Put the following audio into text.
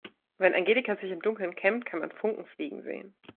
Wenn Angelika sich im Dunkeln kämmt, kann man Funken fliegen sehen.